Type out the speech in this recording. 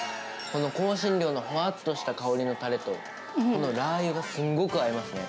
この香辛料のふわっとした香りのたれと、このラー油がすんごく合いますね。